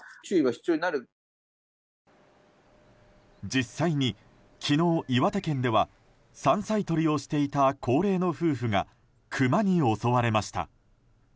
実際に昨日、岩手県では山菜採りをしていた高齢の夫婦がクマに襲われました。